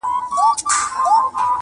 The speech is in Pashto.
د ګنجي په ژبه بل ګنجی پوهېږي-